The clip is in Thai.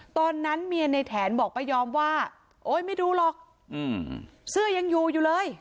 ตอนนั้นเมียในแถนบอกป้ายอมว่าโอ๊ยไม่ดูหรอกเสื้อยังอยู่อยู่เลย